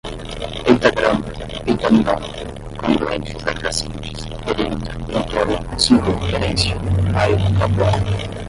pentagrama, pentaminó, congruentes adjacentes, perímetro, contorno, circunferência, raio, calculado